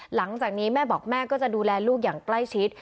หลังจากนี้แม่บอกแม่ก็จะดูแลลูกอย่างใกล้ชิด